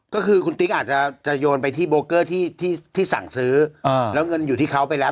ก็คือคุณติ๊กอาจจะโยนไปที่โบเกอร์ที่ที่สั่งซื้อแล้วเงินอยู่ที่เขาไปแล้ว